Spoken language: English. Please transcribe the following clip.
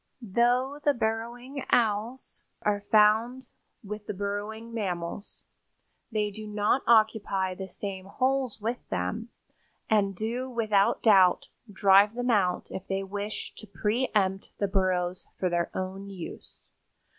Though the Burrowing Owls are found with the burrowing mammals, they do not occupy the same holes with them and do without doubt drive them out if they wish to pre empt the burrows for their own use.